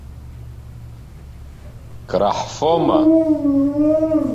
Кушать будем?!